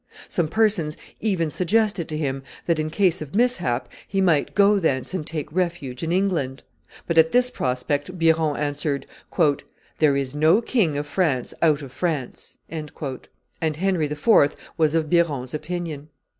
Some persons even suggested to him that in case of mishap he might go thence and take refuge in England; but at this prospect Biron answered, "There is no King of France out of France;" and Henry IV. was of Biron's opinion.